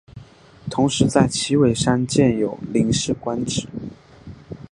同时在旗尾山建有领事官邸。